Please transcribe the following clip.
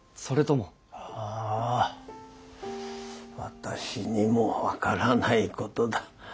私にも分からないことだ。